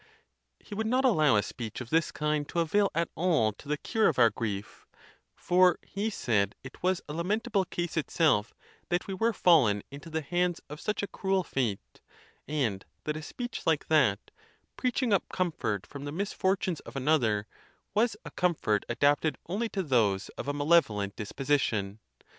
117 He would not allow a speech of this kind to avail at all to the cure of our grief, for he said it was a lamentable case itself that we were fallen into the hands of such a cruel fate; and that a speech like that, preaching up comfort from the misfortunes of another, was a comfort adapted only to those of a malevolent disposition.